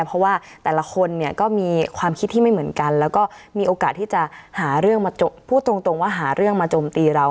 เพราะว่าแต่ละคนก็มีความคิดที่ไม่เหมือนกันแล้วก็มีโอกาสที่จะหาเรื่องมาจมตีเรา